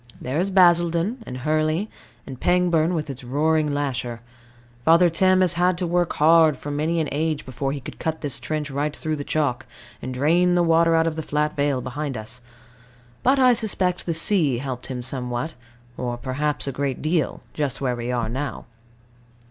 There is Basildon and Hurley and Pangbourne, with its roaring lasher. Father Thames has had to work hard for many an age before he could cut this trench right through the chalk, and drain the water out of the flat vale behind us. But I suspect the sea helped him somewhat, or perhaps a great deal, just where we are now.